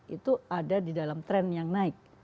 itu ada di dalam tren yang naik